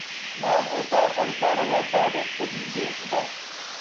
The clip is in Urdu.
نہ ہو بہ ہرزہ روادارِ سعیء بے ہودہ